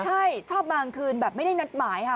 ใช่ชอบบางคืนแบบไม่ได้นัดหมายค่ะ